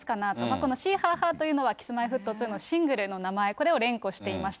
このシーハーハーというのは、Ｋｉｓ−Ｍｙ−Ｆｔ２のシングルの名前、これをずっと連呼していました。